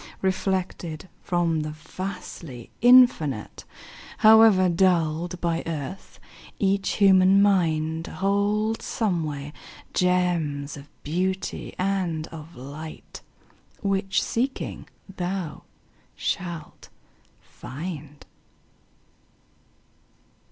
Reflected from the vastly Infinite, However dulled by earth, each human mind Holds somewhere gems of beauty and of light Which, seeking, thou shalt find.